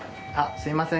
すみません。